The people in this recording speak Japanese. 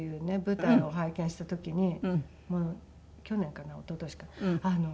舞台を拝見した時に去年かな一昨年かな。